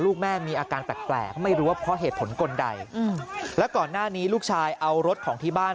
ลูกแม่มีอาการแปลกไม่รู้ว่าเพราะเหตุผลกลใดและก่อนหน้านี้ลูกชายเอารถของที่บ้าน